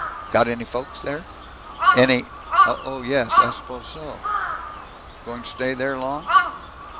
"Got any folks there?" "Any Oh, yes, I suppose so." "Going to stay there long?"